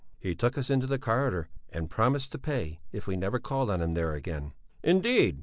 "He took us into the corridor and promised to pay if we never called on him there again." "Indeed!